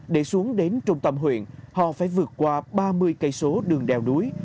để xuống đến trung tâm huyện họ phải vượt qua ba mươi km đường đeo đuối